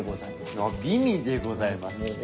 美味でございます。